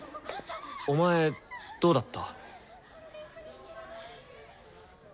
お前どうだった？